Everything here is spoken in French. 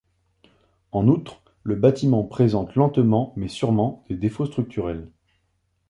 En outre, le bâtiment présente lentement mais sûrement des défauts structurels.